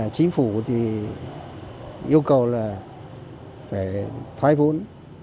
chính phủ thì yêu cầu là phải thoái vốn